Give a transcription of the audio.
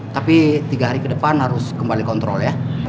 tapi tiga hari ke depan harus kembali kontrol ya